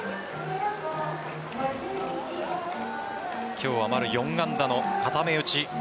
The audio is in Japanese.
今日は丸、４安打の固め打ち。